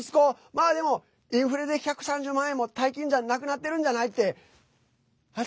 まあでもインフレで１３０万円も大金じゃなくなってるんじゃない？って。